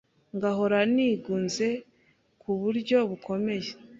ngahora nigunze ku buryo bukomeye